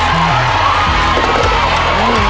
หนทองข้าง